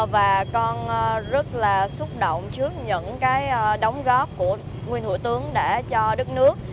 và con rất là xúc động trước những cái đóng góp của nguyên thủ tướng đã cho đất nước